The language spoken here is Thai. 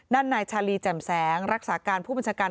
นายชาลีแจ่มแสงรักษาการผู้บัญชาการ